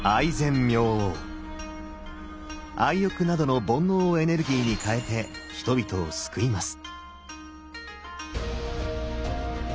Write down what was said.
愛欲などの煩悩をエネルギーに変えて人々を救います。